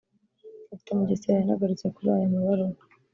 Dr Mugesera yanagarutse kuri aya mabaruwa